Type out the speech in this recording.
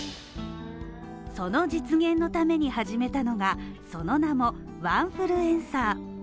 その実現のために始めたのがその名もワンフルエンサー。